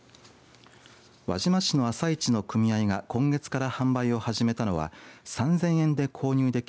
輪島市の朝市の組合が今月から販売を始めたのは３０００円で購入でき